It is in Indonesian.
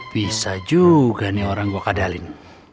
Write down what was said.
bisa juga nih orang gue kadalin